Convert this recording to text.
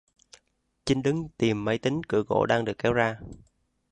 Chinh đứng Tìm máy tính cửa gỗ đang được kéo ra